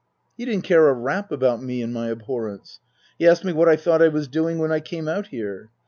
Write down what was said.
He didn't care a rap about me and my abhorrence. He asked me what I thought I was doing when I came out here